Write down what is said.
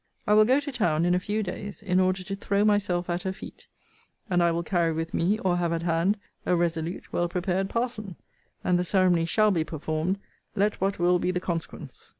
I will go to town, in a few days, in order to throw myself at her feet: and I will carry with me, or have at hand, a resolute, well prepared parson; and the ceremony shall be performed, let what will be the consequence.